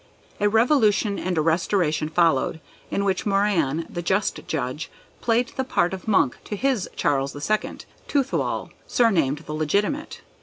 A revolution and a restoration followed, in which Moran the Just Judge played the part of Monk to his Charles II., Tuathal surnamed "the Legitimate."